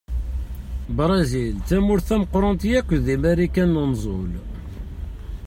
Brizil d tamurt tameqqṛant akk deg Marikan n unẓul.